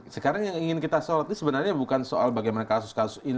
sekarang yang ingin kita sorot ini sebenarnya bukan soal bagaimana kasus kasus ini